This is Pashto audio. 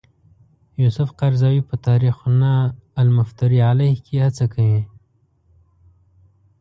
یوسف قرضاوي په تاریخنا المفتری علیه کې هڅه کوي.